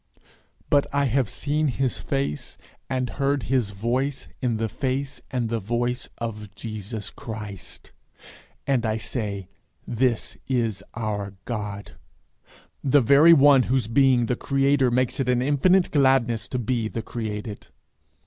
But I have seen his face and heard his voice in the face and the voice of Jesus Christ; and I say this is our God, the very one whose being the Creator makes it an infinite gladness to be the created.